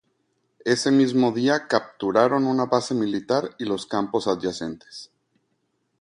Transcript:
Ese mismo día capturaron una base militar y los campos adyacentes.